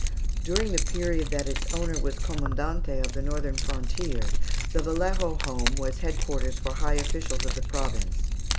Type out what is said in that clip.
During the period that its owner was commandante of the northern frontier, the Vallejo home was headquarters for high officials of the province.